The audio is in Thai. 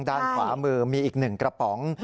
ด้านขวามือมีอีก๑กระป๋อง